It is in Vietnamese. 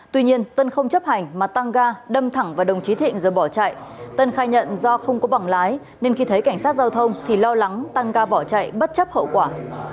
tuy nhiên tân không chấp hành mà tăng ga đâm thẳng vào đồng chí thịnh rồi bỏ chạy tân khai nhận do không có bảng lái nên khi thấy cảnh sát giao thông thì lo lắng tăng ga bỏ chạy bất chấp hậu quả